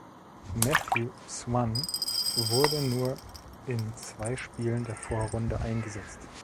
Matthew Swann wurde nur in zwei Spielen der Vorrunde eingesetzt.